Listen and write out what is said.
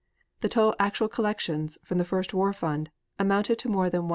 The total actual collections from the first war fund amounted to more than $115,000,000.